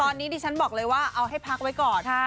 ตอนนี้ดิฉันบอกเลยว่าเอาให้พักไว้ก่อน